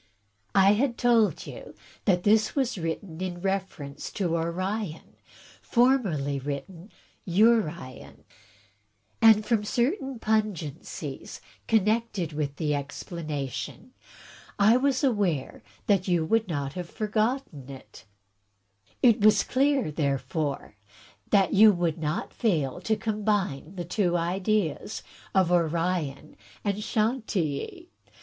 " I had told you that this was in reference to Orion, formerly written THE RATIONALE OF RATIOCINATION 1 29 Urion; and, from certain pungencies connected with the explana tion, I was aware that you could not have forgotten it. It was clear, therefore, that you would not fail to combine the two ideas of Orion and Chantilly.